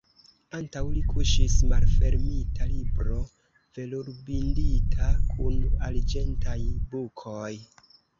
Antaŭ li kuŝis malfermita libro, velurbindita, kun arĝentaj bukoj.